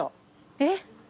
えっ？